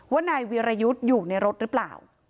ว่านายวีรยุทธ์อยู่ในรถหรือเปล่า